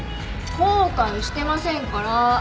後悔してませんから。